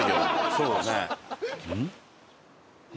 そうだね。